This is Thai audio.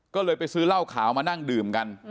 ก็เลยไปซื้อเหล้าขาวมานั่งดื่มกัน